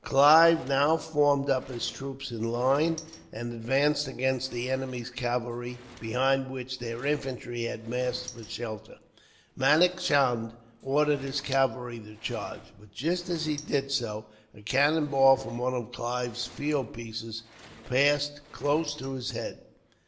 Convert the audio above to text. Clive now formed up his troops in line, and advanced against the enemy's cavalry, behind which their infantry had massed for shelter. Manak Chand ordered his cavalry to charge, but just as he did so, a cannonball from one of Clive's field pieces passed close to his head.